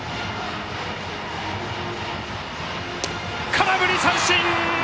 空振り三振！